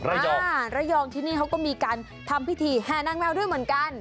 ระยองที่นี่เขาก็มีการทำพิธีแห่นางแววด้วยเหมือนกัน